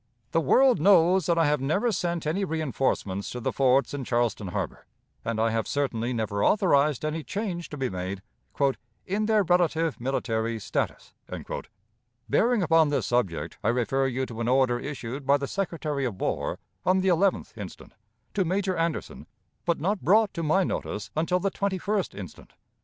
The world knows that I have never sent any reënforcements to the forts in Charleston Harbor, and I have certainly never authorized any change to be made "in their relative military status." Bearing upon this subject, I refer you to an order issued by the Secretary of War, on the 11th instant, to Major Anderson, but not brought to my notice until the 21st instant.